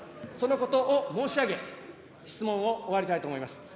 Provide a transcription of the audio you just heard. そのことを申し上げ、質問を終わりたいと思います。